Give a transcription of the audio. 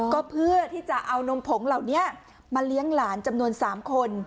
ก็เพื่อที่จะเอานมผงเหล่านี้มาเลี้ยงหลานจำนวน๓คน